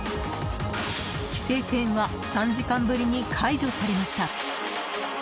規制線は３時間ぶりに解除されました。